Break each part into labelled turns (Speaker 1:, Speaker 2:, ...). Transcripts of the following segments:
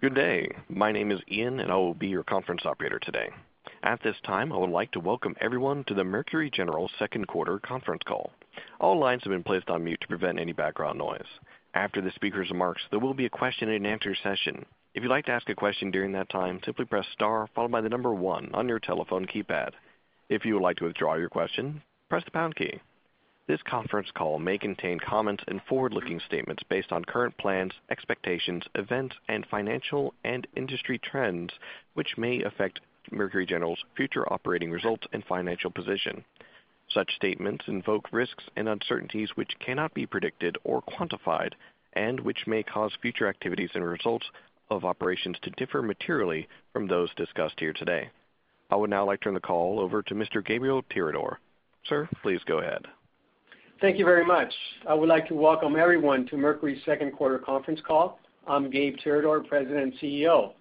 Speaker 1: Good day. My name is Ian, and I will be your conference operator today. At this time, I would like to welcome everyone to the Mercury General second quarter conference call. All lines have been placed on mute to prevent any background noise. After the speakers' remarks, there will be a question and answer session. If you'd like to ask a question during that time, simply press star followed by the number one on your telephone keypad. If you would like to withdraw your question, press the pound key. This conference call may contain comments and forward-looking statements based on current plans, expectations, events, and financial and industry trends which may affect Mercury General's future operating results and financial position. Such statements invoke risks and uncertainties which cannot be predicted or quantified, and which may cause future activities and results of operations to differ materially from those discussed here today. I would now like to turn the call over to Mr. Gabriel Tirador. Sir, please go ahead.
Speaker 2: Thank you very much. I would like to welcome everyone to Mercury's second quarter conference call. I'm Gabe Tirador, President and CEO.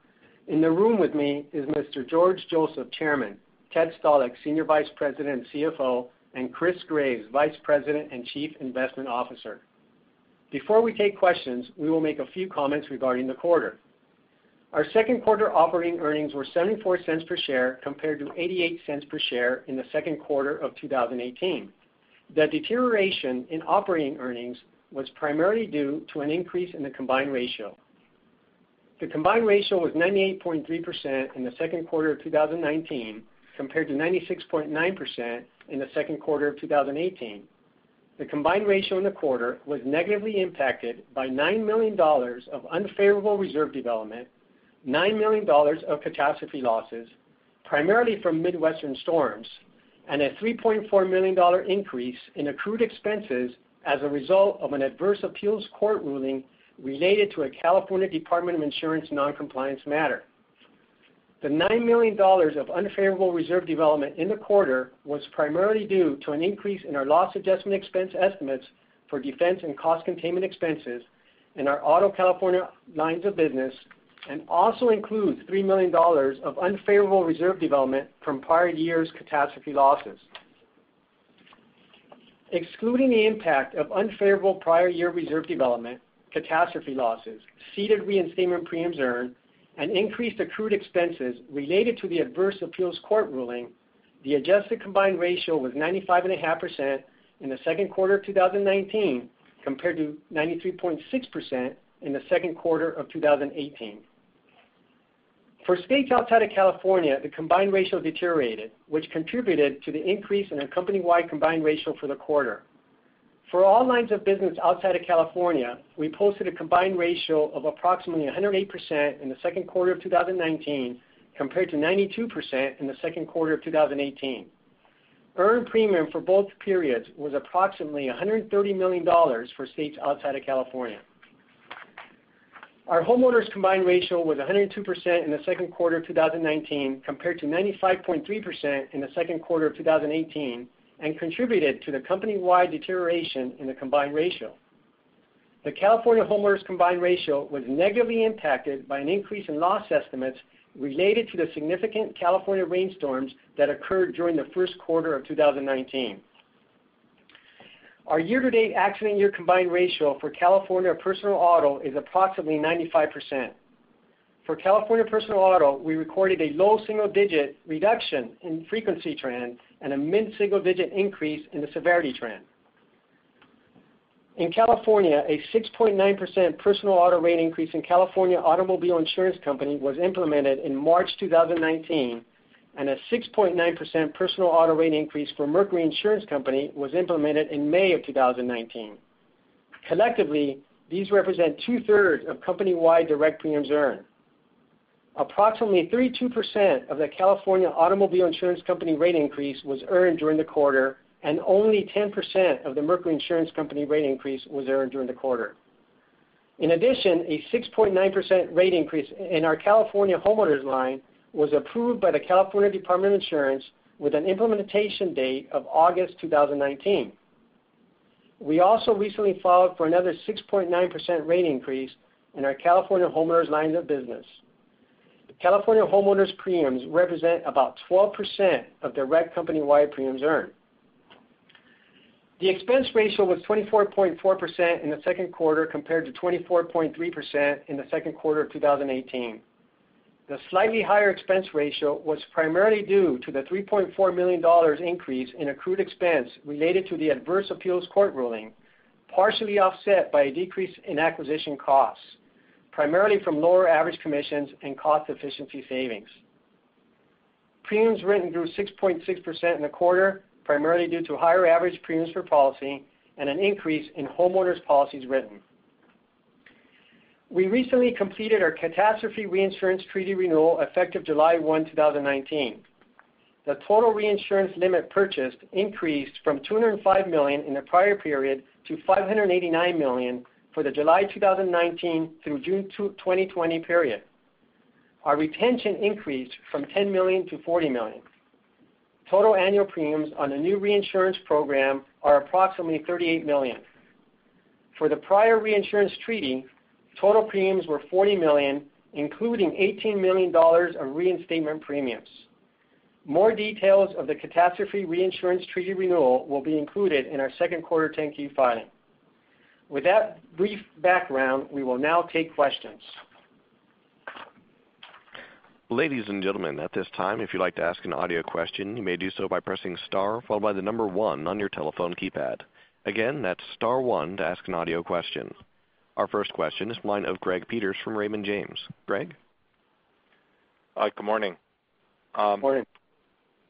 Speaker 2: In the room with me is Mr. George Joseph, Chairman, Ted Stalick, Senior Vice President and CFO, and Chris Graves, Vice President and Chief Investment Officer. Before we take questions, we will make a few comments regarding the quarter. Our second quarter operating earnings were $0.74 per share, compared to $0.88 per share in the second quarter of 2018. The deterioration in operating earnings was primarily due to an increase in the combined ratio. The combined ratio was 98.3% in the second quarter of 2019, compared to 96.9% in the second quarter of 2018. The combined ratio in the quarter was negatively impacted by $9 million of unfavorable reserve development, $9 million of catastrophe losses, primarily from Midwestern storms, and a $3.4 million increase in accrued expenses as a result of an adverse appeals court ruling related to a California Department of Insurance non-compliance matter. The $9 million of unfavorable reserve development in the quarter was primarily due to an increase in our loss adjustment expense estimates for defense and cost containment expenses in our auto California lines of business, and also includes $3 million of unfavorable reserve development from prior years' catastrophe losses. Excluding the impact of unfavorable prior year reserve development, catastrophe losses, ceded reinstatement premiums earned, and increased accrued expenses related to the adverse appeals court ruling, the adjusted combined ratio was 95.5% in the second quarter of 2019, compared to 93.6% in the second quarter of 2018. For states outside of California, the combined ratio deteriorated, which contributed to the increase in the company-wide combined ratio for the quarter. For all lines of business outside of California, we posted a combined ratio of approximately 108% in the second quarter of 2019, compared to 92% in the second quarter of 2018. Earned premium for both periods was approximately $130 million for states outside of California. Our homeowners combined ratio was 102% in the second quarter of 2019, compared to 95.3% in the second quarter of 2018, and contributed to the company-wide deterioration in the combined ratio. The California homeowners combined ratio was negatively impacted by an increase in loss estimates related to the significant California rainstorms that occurred during the first quarter of 2019. Our year-to-date accident year combined ratio for California personal auto is approximately 95%. For California personal auto, we recorded a low single-digit reduction in frequency trend and a mid-single digit increase in the severity trend. In California, a 6.9% personal auto rate increase in California Automobile Insurance Company was implemented in March 2019, and a 6.9% personal auto rate increase for Mercury Insurance Company was implemented in May of 2019. Collectively, these represent two-thirds of company-wide direct premiums earned. Approximately 32% of the California Automobile Insurance Company rate increase was earned during the quarter, and only 10% of the Mercury Insurance Company rate increase was earned during the quarter. In addition, a 6.9% rate increase in our California homeowners line was approved by the California Department of Insurance with an implementation date of August 2019. We also recently filed for another 6.9% rate increase in our California homeowners lines of business. The California homeowners' premiums represent about 12% of direct company-wide premiums earned. The expense ratio was 24.4% in the second quarter compared to 24.3% in the second quarter of 2018. The slightly higher expense ratio was primarily due to the $3.4 million increase in accrued expense related to the adverse appeals court ruling, partially offset by a decrease in acquisition costs, primarily from lower average commissions and cost efficiency savings. Premiums written grew 6.6% in the quarter, primarily due to higher average premiums per policy and an increase in homeowners policies written. We recently completed our catastrophe reinsurance treaty renewal effective July 1, 2019. The total reinsurance limit purchased increased from $205 million in the prior period to $589 million for the July 2019 through June 2020 period. Our retention increased from $10 million to $40 million. Total annual premiums on the new reinsurance program are approximately $38 million. For the prior reinsurance treaty, total premiums were $40 million, including $18 million of reinstatement premiums. More details of the catastrophe reinsurance treaty renewal will be included in our second quarter 10-Q filing. With that brief background, we will now take questions.
Speaker 1: Ladies and gentlemen, at this time, if you'd like to ask an audio question, you may do so by pressing star followed by the number one on your telephone keypad. Again, that's star one to ask an audio question. Our first question is the line of Greg Peters from Raymond James. Greg?
Speaker 3: Hi, good morning.
Speaker 2: Good morning.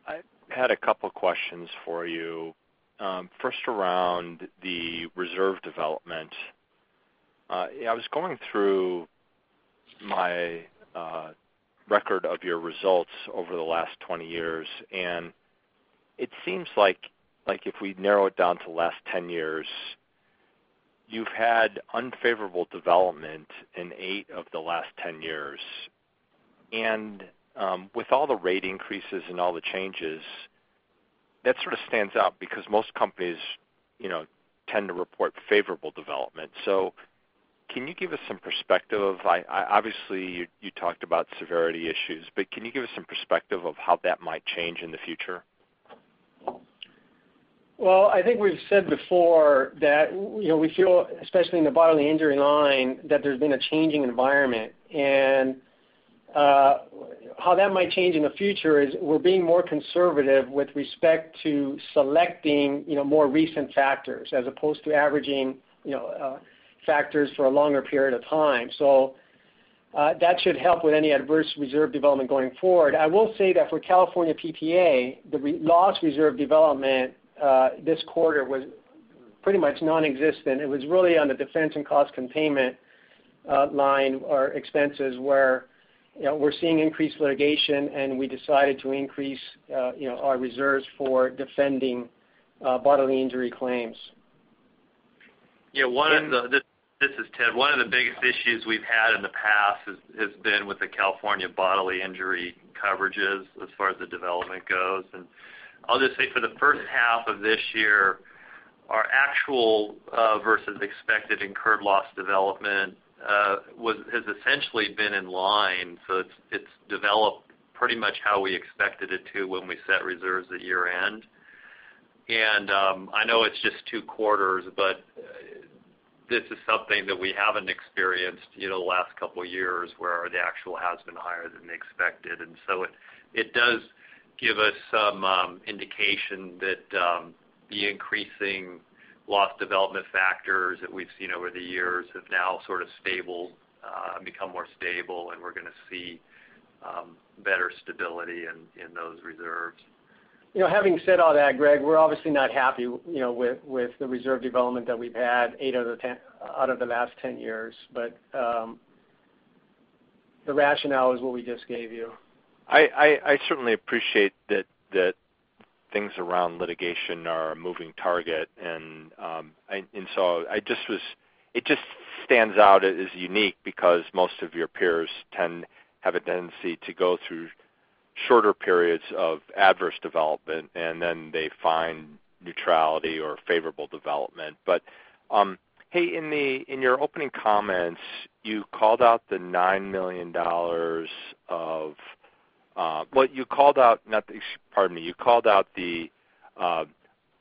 Speaker 3: I had a couple questions for you. First around the reserve development. I was going through my record of your results over the last 20 years, and it seems like if we narrow it down to last 10 years, you've had unfavorable development in eight of the last 10 years. With all the rate increases and all the changes, that sort of stands out because most companies tend to report favorable development. Can you give us some perspective? Obviously, you talked about severity issues, but can you give us some perspective of how that might change in the future?
Speaker 2: Well, I think we've said before that, we feel, especially in the bodily injury line, that there's been a changing environment. How that might change in the future is we're being more conservative with respect to selecting more recent factors as opposed to averaging factors for a longer period of time. That should help with any adverse reserve development going forward. I will say that for California PPA, the loss reserve development this quarter was pretty much nonexistent. It was really on the defense and cost containment line or expenses where we're seeing increased litigation, and we decided to increase our reserves for defending bodily injury claims.
Speaker 4: This is Ted. One of the biggest issues we've had in the past has been with the California bodily injury coverages as far as the development goes. I'll just say, for the first half of this year, our actual versus expected incurred loss development has essentially been in line. It's developed pretty much how we expected it to when we set reserves at year-end. I know it's just two quarters, but this is something that we haven't experienced the last couple of years, where the actual has been higher than the expected. It does give us some indication that the increasing loss development factors that we've seen over the years have now sort of become more stable, and we're going to see better stability in those reserves.
Speaker 2: Having said all that, Greg, we're obviously not happy with the reserve development that we've had eight out of the last 10 years. The rationale is what we just gave you.
Speaker 3: I certainly appreciate that things around litigation are a moving target, it just stands out as unique because most of your peers have a tendency to go through shorter periods of adverse development, then they find neutrality or favorable development. Hey, in your opening comments, you called out the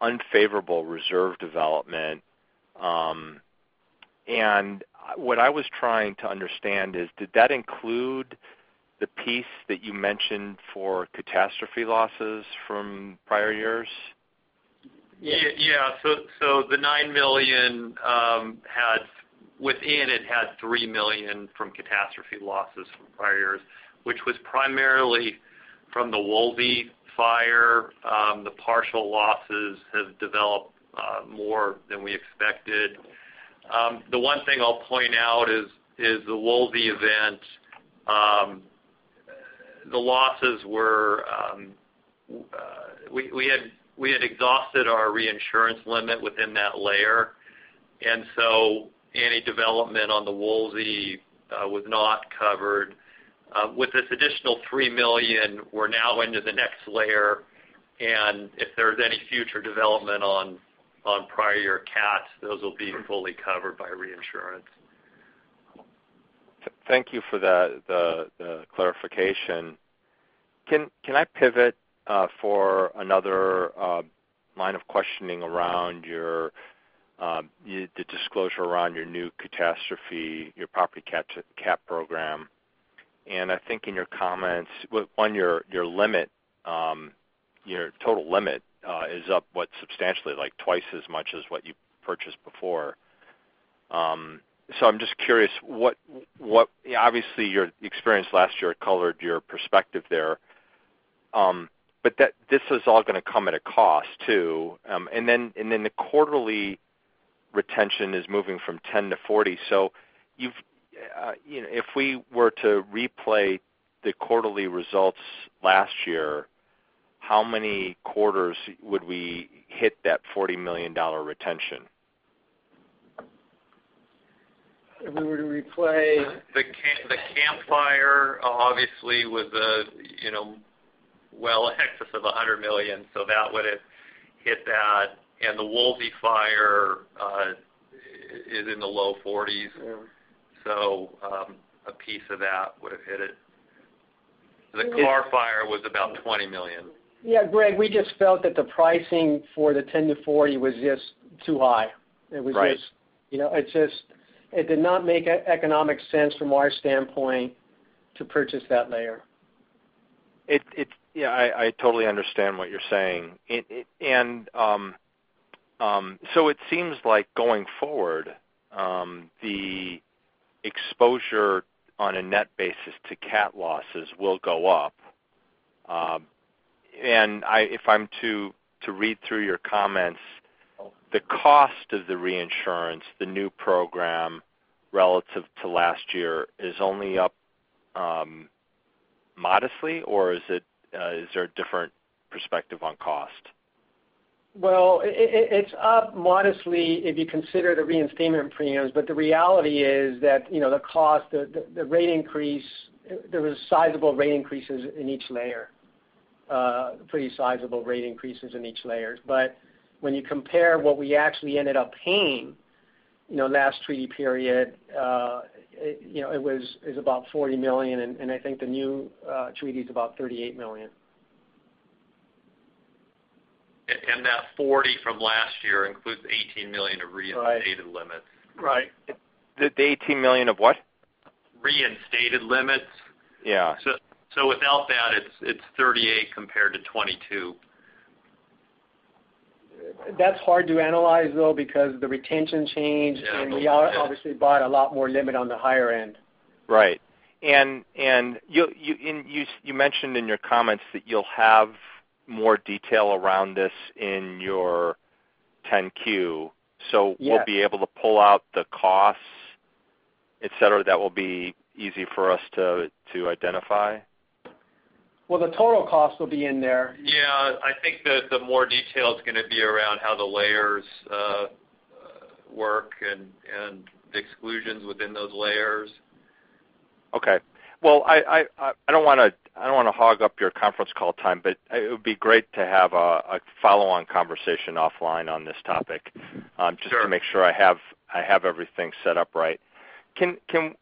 Speaker 3: unfavorable reserve development. What I was trying to understand is, did that include the piece that you mentioned for catastrophe losses from prior years?
Speaker 4: Yeah. The $9 million, within it had $3 million from catastrophe losses from prior years, which was primarily from the Woolsey Fire. The partial losses have developed more than we expected. The one thing I'll point out is the Woolsey event. We had exhausted our reinsurance limit within that layer, any development on the Woolsey was not covered. With this additional $3 million, we're now into the next layer, if there's any future development on prior cat, those will be fully covered by reinsurance.
Speaker 3: Thank you for the clarification. Can I pivot for another line of questioning around the disclosure around your new catastrophe, your property cat program? I think in your comments on your limit, your total limit is up, what, substantially, like twice as much as what you purchased before. I'm just curious, obviously, your experience last year colored your perspective there, but this is all going to come at a cost, too. The quarterly retention is moving from 10 to 40. If we were to replay the quarterly results last year, how many quarters would we hit that $40 million retention?
Speaker 2: If we were to replay.
Speaker 4: The Camp Fire, obviously, was well in excess of $100 million, that would've hit that. The Woolsey Fire is in the low 40s.
Speaker 2: Yeah.
Speaker 4: a piece of that would've hit it. The Camp Fire was about $20 million.
Speaker 2: Greg, we just felt that the pricing for the 10 to 40 was just too high.
Speaker 4: Right.
Speaker 2: It did not make economic sense from our standpoint to purchase that layer.
Speaker 3: I totally understand what you're saying. It seems like going forward, the exposure on a net basis to cat losses will go up. If I'm to read through your comments, the cost of the reinsurance, the new program relative to last year is only up modestly or is there a different perspective on cost?
Speaker 2: Well, it's up modestly if you consider the reinstatement premiums, the reality is that the rate increase, there was sizable rate increases in each layer. Pretty sizable rate increases in each layer. When you compare what we actually ended up paying last treaty period, it was about $40 million, and I think the new treaty's about $38 million.
Speaker 4: That $40 from last year includes $18 million of reinstated limits.
Speaker 2: Right.
Speaker 3: The $18 million of what?
Speaker 4: Reinstated limits.
Speaker 3: Yeah.
Speaker 4: Without that, it's 38 compared to 22.
Speaker 2: That's hard to analyze though, because the retention changed.
Speaker 4: Yeah
Speaker 2: We obviously bought a lot more limit on the higher end.
Speaker 3: Right. You mentioned in your comments that you'll have more detail around this in your 10-Q.
Speaker 2: Yes.
Speaker 3: We'll be able to pull out the costs, et cetera, that will be easy for us to identify?
Speaker 2: Well, the total cost will be in there.
Speaker 4: Yeah, I think the more detail's going to be around how the layers work and the exclusions within those layers.
Speaker 3: Okay. Well, I don't want to hog up your conference call time, but it would be great to have a follow-on conversation offline on this topic.
Speaker 4: Sure
Speaker 3: just to make sure I have everything set up right. The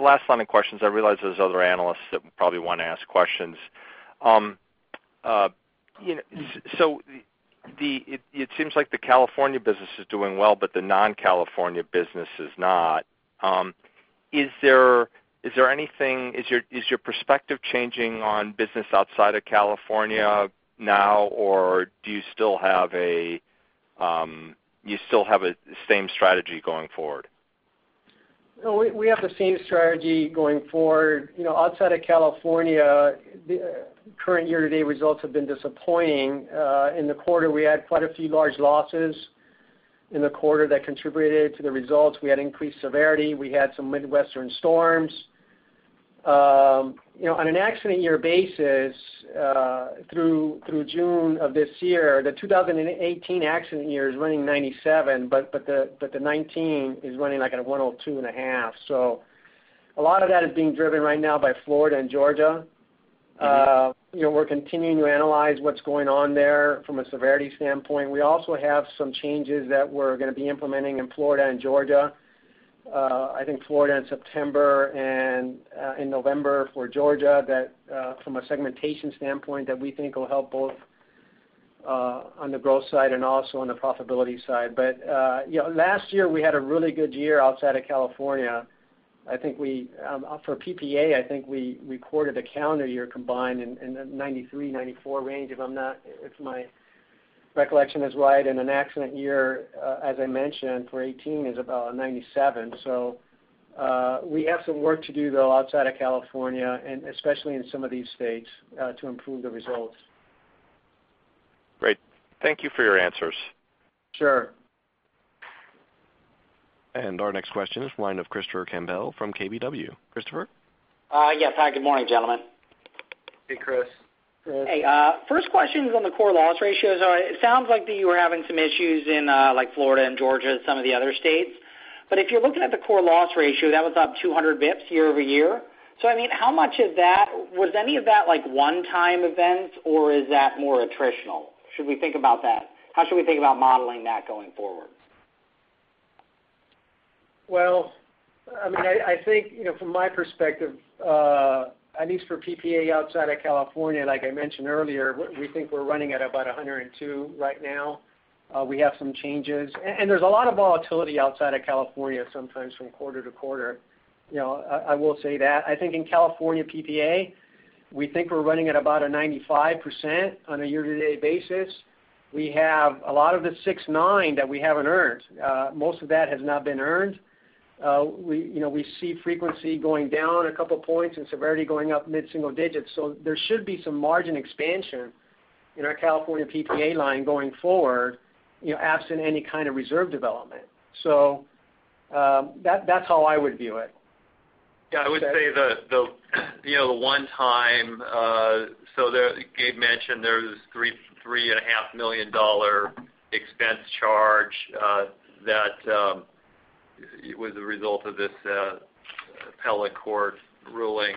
Speaker 3: last line of questions, I realize there's other analysts that probably want to ask questions. It seems like the California business is doing well, but the non-California business is not. Is your perspective changing on business outside of California now, or do you still have the same strategy going forward?
Speaker 2: We have the same strategy going forward. Outside of California, current year-to-date results have been disappointing. In the quarter, we had quite a few large losses in the quarter that contributed to the results. We had increased severity. We had some Midwestern storms. On an accident year basis, through June of this year, the 2018 accident year is running 97, but the 2019 is running like at a 102.5. A lot of that is being driven right now by Florida and Georgia. We're continuing to analyze what's going on there from a severity standpoint. We also have some changes that we're going to be implementing in Florida and Georgia, I think Florida in September and in November for Georgia, that from a segmentation standpoint, that we think will help both on the growth side and also on the profitability side. Last year we had a really good year outside of California. For PPA, I think we recorded the calendar year combined in the 93, 94 range, if my recollection is right. In an accident year, as I mentioned, for 2018, is about a 97. We have some work to do though outside of California, and especially in some of these states, to improve the results.
Speaker 3: Great. Thank you for your answers.
Speaker 2: Sure.
Speaker 1: Our next question is from the line of Christopher Campbell from KBW. Christopher?
Speaker 5: Yes. Hi, good morning, gentlemen.
Speaker 4: Hey, Chris.
Speaker 2: Chris.
Speaker 5: Hey. First question's on the core loss ratios. It sounds like that you were having some issues in Florida and Georgia and some of the other states. If you're looking at the core loss ratio, that was up 200 basis points year-over-year. I mean, was any of that like one-time events, or is that more attritional? How should we think about modeling that going forward?
Speaker 2: Well, I think from my perspective, at least for PPA outside of California, like I mentioned earlier, we think we're running at about 102 right now. We have some changes. There's a lot of volatility outside of California sometimes from quarter to quarter. I will say that. I think in California PPA, we think we're running at about a 95% on a year-to-date basis. We have a lot of the 6.9% that we haven't earned. Most of that has not been earned. We see frequency going down a couple points and severity going up mid-single digits. There should be some margin expansion in our California PPA line going forward, absent any kind of reserve development. That's how I would view it.
Speaker 4: Yeah, I would say the one time, Gabe mentioned there was this $3.5 million expense charge that was a result of this Appellate court ruling.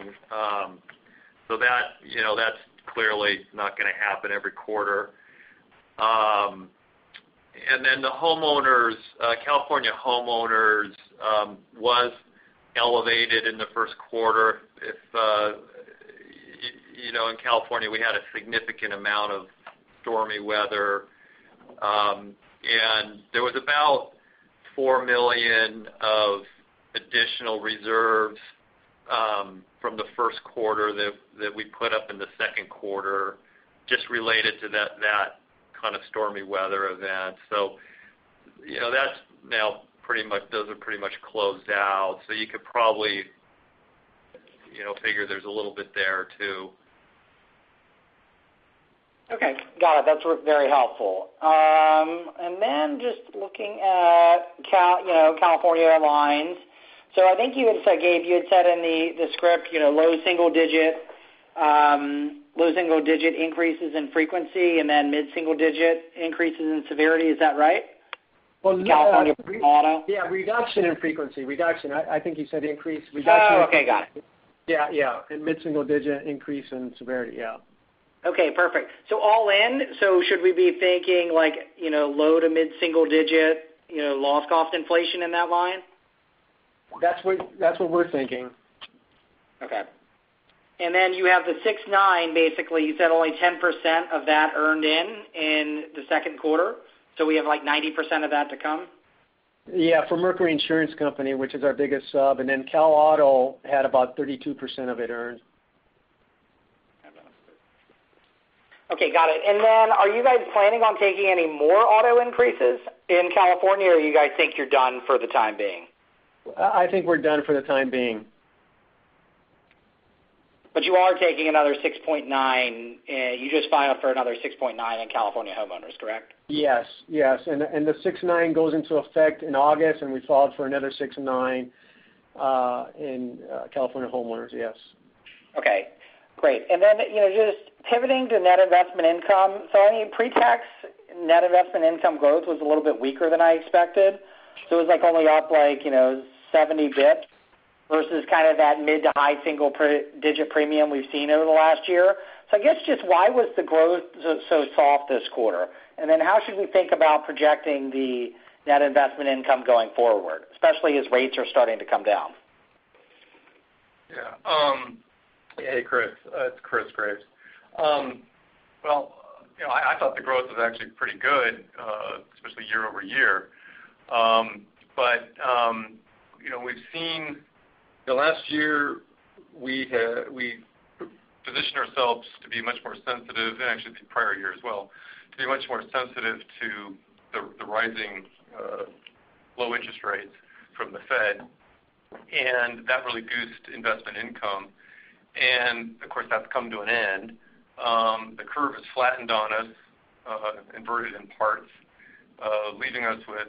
Speaker 4: That's clearly not going to happen every quarter. Then the California homeowners was elevated in the first quarter. In California, we had a significant amount of stormy weather. There was about $4 million of additional reserves from the first quarter that we put up in the second quarter, just related to that kind of stormy weather event. Those are pretty much closed out. You could probably figure there's a little bit there, too.
Speaker 5: Okay. Got it. That's very helpful. Just looking at California lines. I think, Gabe, you had said in the script, low single-digit increases in frequency, mid-single-digit increases in severity. Is that right?
Speaker 2: Well, no-
Speaker 5: California Auto.
Speaker 2: Yeah. Reduction in frequency. Reduction. I think you said increase. Reduction.
Speaker 5: Oh, okay. Got it.
Speaker 2: Yeah. Mid-single-digit increase in severity, yeah.
Speaker 5: Okay, perfect. All in, so should we be thinking low to mid-single digit loss cost inflation in that line?
Speaker 2: That's what we're thinking.
Speaker 5: Okay. Then you have the 6.9%, basically, you said only 10% of that earned in the second quarter. We have like 90% of that to come?
Speaker 2: Yeah. For Mercury Insurance Company, which is our biggest sub, and then Cal Auto had about 32% of it earned.
Speaker 5: Okay, got it. Are you guys planning on taking any more auto increases in California, or you guys think you're done for the time being?
Speaker 2: I think we're done for the time being.
Speaker 5: You are taking another 6.9%. You just filed for another 6.9% in California homeowners, correct?
Speaker 2: Yes. The 6.9% goes into effect in August, and we filed for another 6.9% in California homeowners, yes.
Speaker 5: Okay, great. Just pivoting to net investment income. Any pre-tax net investment income growth was a little bit weaker than I expected. It was only up like 70 basis points versus kind of that mid to high single-digit premium we've seen over the last year. I guess just why was the growth so soft this quarter? How should we think about projecting the net investment income going forward, especially as rates are starting to come down?
Speaker 6: Yeah. Hey, Chris. It's Chris Graves. Well, I thought the growth was actually pretty good, especially year-over-year. We've seen the last year, we've positioned ourselves to be much more sensitive, and actually the prior year as well, to be much more sensitive to the rising low interest rates from the Fed. That really goosed investment income. Of course, that's come to an end. The curve has flattened on us, inverted in parts, leaving us with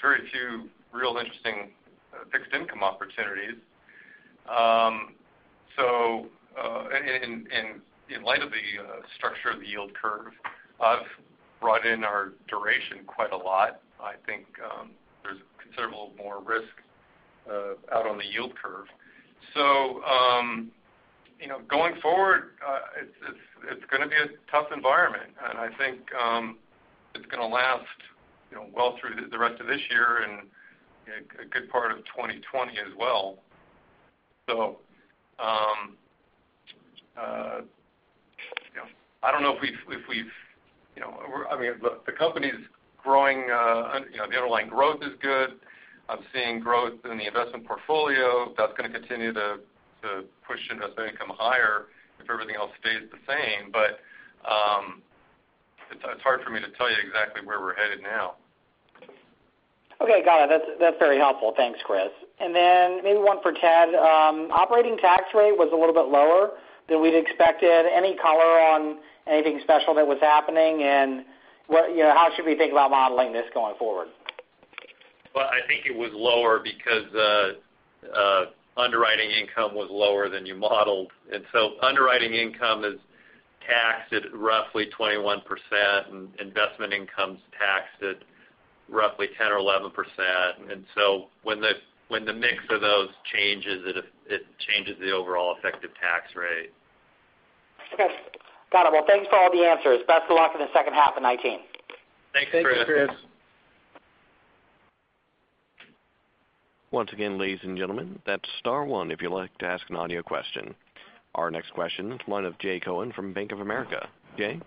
Speaker 6: very few real interesting fixed income opportunities. In light of the structure of the yield curve, I've brought in our duration quite a lot. I think there's considerable more risk out on the yield curve. Going forward, it's going to be a tough environment, and I think it's going to last well through the rest of this year and a good part of 2020 as well. I don't know if I mean, the company's growing. The underlying growth is good. I'm seeing growth in the investment portfolio. That's going to continue to push investment income higher if everything else stays the same. It's hard for me to tell you exactly where we're headed now.
Speaker 5: Okay, got it. That's very helpful. Thanks, Chris. Maybe one for Ted. Operating tax rate was a little bit lower than we'd expected. Any color on anything special that was happening, and how should we think about modeling this going forward?
Speaker 4: Well, I think it was lower because underwriting income was lower than you modeled. Underwriting income is taxed at roughly 21%, and investment income's taxed at roughly 10% or 11%. When the mix of those changes, it changes the overall effective tax rate.
Speaker 5: Okay. Got it. Well, Thanks for all the answers. Best of luck in the second half of 2019.
Speaker 4: Thanks, Chris.
Speaker 2: Thanks, Chris.
Speaker 1: Once again, ladies and gentlemen, that is star one if you would like to ask an audio question. Our next question is one of Jay Cohen from Bank of America. Jay?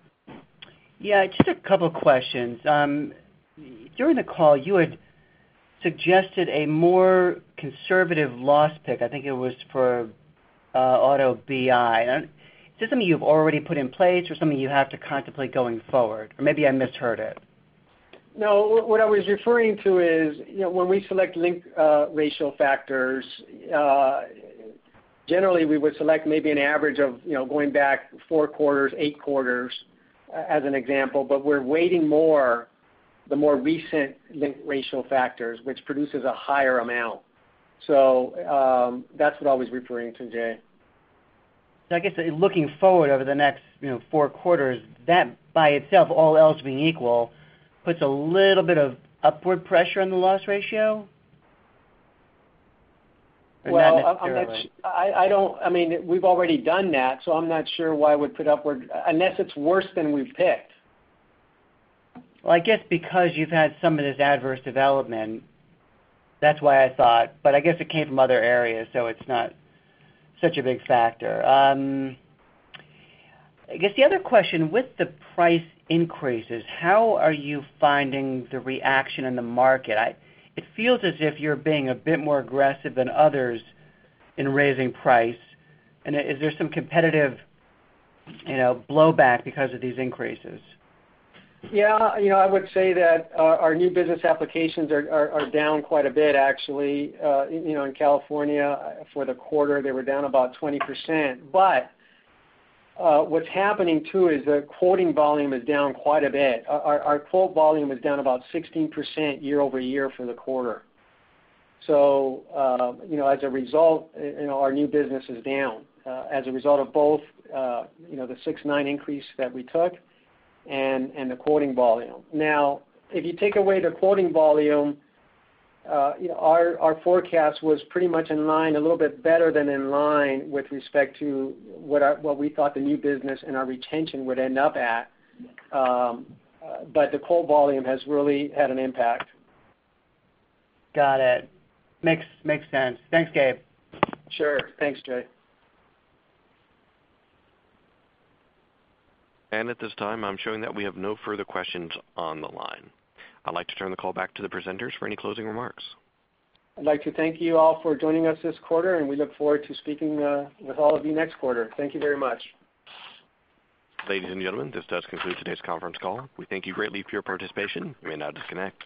Speaker 7: Yeah, just a couple questions. During the call, you had suggested a more conservative loss pick. I think it was for auto BI. Is this something you have already put in place or something you have to contemplate going forward? Maybe I misheard it.
Speaker 2: No, what I was referring to is, when we select link ratio factors, generally we would select maybe an average of going back four quarters, eight quarters, as an example. We are weighting more the more recent link ratio factors, which produces a higher amount. That is what I was referring to, Jay.
Speaker 7: I guess looking forward over the next four quarters, that by itself, all else being equal, puts a little bit of upward pressure on the loss ratio? Not necessarily.
Speaker 2: We've already done that, so I'm not sure why it would put upward, unless it's worse than we've picked.
Speaker 7: Well, I guess because you've had some of this adverse development, that's why I thought. I guess it came from other areas, so it's not such a big factor. I guess the other question, with the price increases, how are you finding the reaction in the market? It feels as if you're being a bit more aggressive than others in raising price. Is there some competitive blowback because of these increases?
Speaker 2: Yeah. I would say that our new business applications are down quite a bit, actually. In California for the quarter, they were down about 20%. What's happening too is the quoting volume is down quite a bit. Our quote volume is down about 16% year-over-year for the quarter. As a result, our new business is down as a result of both the 6.9% increase that we took and the quoting volume. Now, if you take away the quoting volume, our forecast was pretty much in line, a little bit better than in line with respect to what we thought the new business and our retention would end up at. The quote volume has really had an impact.
Speaker 7: Got it. Makes sense. Thanks, Gabe.
Speaker 2: Sure. Thanks, Jay.
Speaker 1: At this time, I'm showing that we have no further questions on the line. I'd like to turn the call back to the presenters for any closing remarks.
Speaker 2: I'd like to thank you all for joining us this quarter, and we look forward to speaking with all of you next quarter. Thank you very much.
Speaker 1: Ladies and gentlemen, this does conclude today's conference call. We thank you greatly for your participation. You may now disconnect.